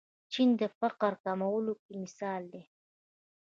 چین د فقر کمولو کې مثال دی.